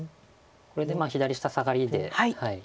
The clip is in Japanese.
これで左下サガリで。